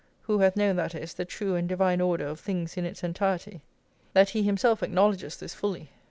"+ who hath known, that is, the true and divine order of things in its entirety, that he himself acknowledges this fully.